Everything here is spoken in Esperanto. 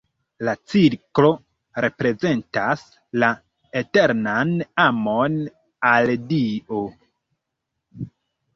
La cirklo reprezentas la eternan amon al Dio.